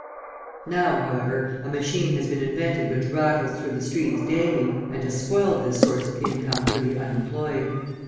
Now, however, a machine has been invented which rattles through the streets daily, and has spoiled this source of income for the unemployed.